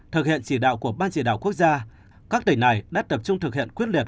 thực hiện chỉ đạo của ban chỉ đạo quốc gia các tỉnh này đã tập trung thực hiện quyết liệt